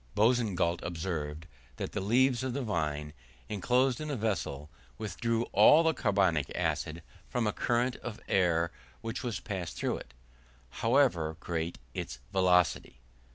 Boussingault observed, that the leaves of the vine, inclosed in a vessel, withdrew all the carbonic acid from a current of air which was passed through it, however great its velocity.